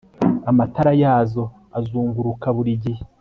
Amatara yazo azunguruka buri gihe